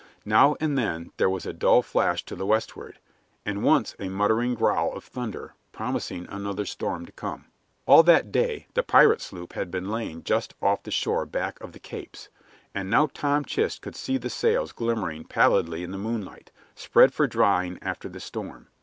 Now and then there was a dull flash to the westward, and once a muttering growl of thunder, promising another storm to come. All that day the pirate sloop had been lying just off the shore back of the Capes, and now Tom Chist could see the sails glimmering pallidly in the moonlight, spread for drying after the storm.